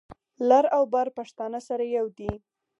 لر او بر پښتانه سره یو دي.